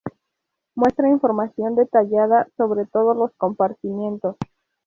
Muestra información detallada sobre todos los compartimientos.